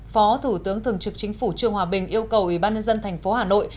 phó thủ tướng thường trực chính phủ trương hòa bình yêu cầu ủy ban nhân dân thành phố hà nội